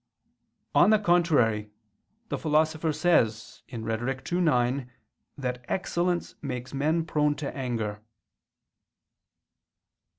On the contrary, The Philosopher says (Rhet. ii, 9) that excellence makes men prone to anger.